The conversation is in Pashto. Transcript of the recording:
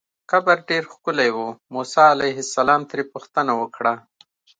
قبر ډېر ښکلی و، موسی علیه السلام ترې پوښتنه وکړه.